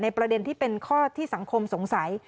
ประเด็นที่เป็นข้อที่สังคมสงสัย